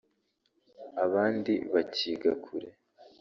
abandi bakiga kure